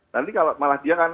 nanti kalau malah dia kan